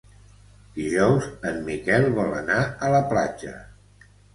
Dijous en Miquel vol anar a la platja.